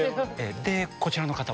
でこちらの方は？